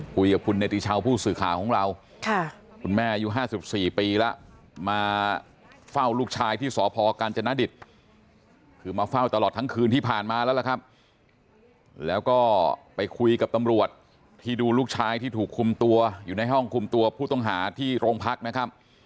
คุยกับคุณเนติชาวผู้สื่อข่าวของเราคุณแม่อายุ๕๔ปีแล้วมาเฝ้าลูกชายที่สพกาญจนดิตคือมาเฝ้าตลอดทั้งคืนที่ผ่านมาแล้วล่ะครับแล้วก็ไปคุยกับตำรวจที่ดูลูกชายที่ถูกคุมตัวอยู่ในห้องคุมตัวผู้ต้องหาที่โรงพักนะครับ